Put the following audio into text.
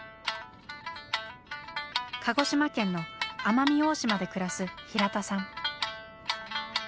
鹿児島県の奄美大島で暮らす平田さん。